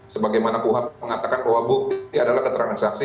sebagaimana kuhap mengatakan bahwa bukti adalah keterangan saksi